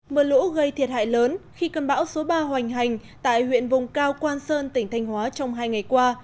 mưa lũ gây thiệt hại lớn khi cơn bão số ba hoành hành tại huyện vùng cao quan sơn tỉnh thanh hóa trong hai ngày qua